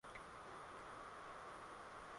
msikilizaji wetu pale ukiwa kenya mitaa gani ha